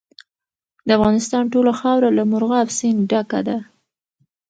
د افغانستان ټوله خاوره له مورغاب سیند ډکه ده.